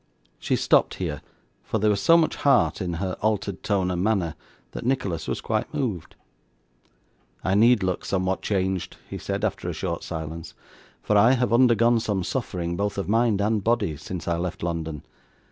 She stopped here; for there was so much heart in her altered tone and manner, that Nicholas was quite moved. 'I need look somewhat changed,' he said, after a short silence; 'for I have undergone some suffering, both of mind and body, since I left London.